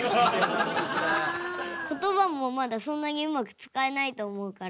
ことばもまだそんなにうまく使えないと思うから。